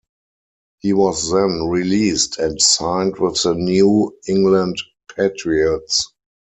He was then released and signed with the New England Patriots.